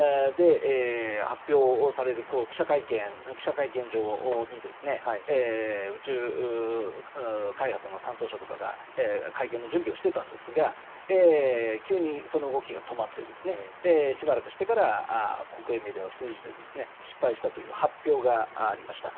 発表される記者会見場に宇宙開発の担当者とかが会見の準備をしていたんですが急にその動きが止まってしばらくしてから国営メディアを通じて失敗したという発表がありました。